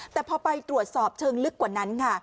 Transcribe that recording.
แต่พอไปตรวจสอบเชิงลึกกว่านั้นค่ะ